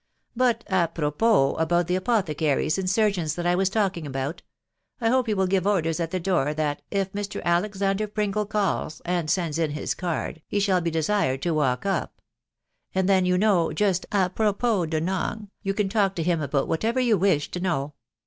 But, a prop po, about the apothecaries and surgeons that I was talking about .••. I hope you will give orders at the door that, if Mr. Alexander Pringle calls, and sends in his card, he shall be desired to walk up ; and then, you know, just a prop po de nang, you can talk to him about whatever you wish to know